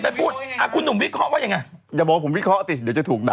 อันใดอย่าไปพูด